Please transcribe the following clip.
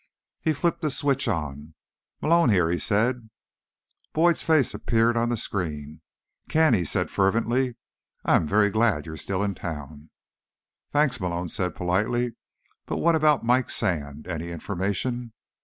He flipped the switch on. "Malone here," he said. Boyd's face appeared on the screen. "Ken," he said fervently, "I am very glad you're still in town." "Thanks," Malone said politely. "But what about Mike Sand? Any information?"